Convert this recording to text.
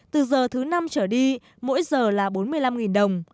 từ giờ thứ năm trở đi mỗi giờ là bốn mươi năm đồng